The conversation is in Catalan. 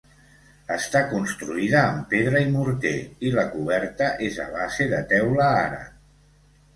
Està construïda amb pedra i morter i la coberta és a base de teula àrab.